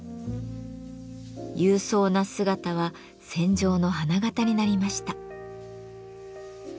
勇壮な姿は戦場の花形になりました。